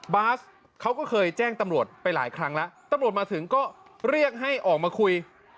บาสเขาก็เคยแจ้งตำรวจไปหลายครั้งแล้วตำรวจมาถึงก็เรียกให้ออกมาคุย